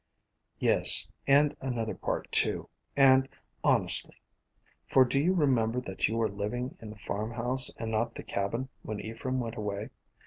"Yes, and another part, too, and honestly; for do you remember that you were living in the farm house and not the cabin when Ephraim went away?